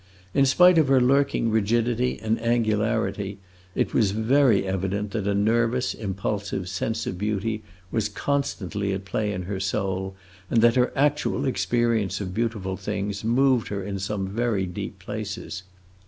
In spite of her lurking rigidity and angularity, it was very evident that a nervous, impulsive sense of beauty was constantly at play in her soul, and that her actual experience of beautiful things moved her in some very deep places.